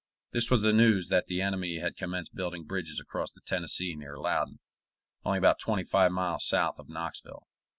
This was the news that the enemy had commenced building bridges across the Tennessee near Loudon, only about twenty five miles south of Knoxville.